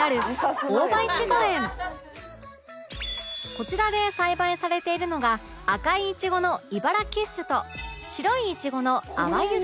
こちらで栽培されているのが赤いいちごのいばらキッスと白いいちごの淡雪